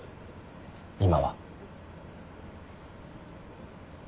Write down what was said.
今は。